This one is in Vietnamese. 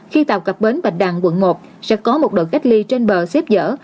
khi tàu cặp bến bạch đàn quận một sẽ có một đội cách ly trên bờ xếp dở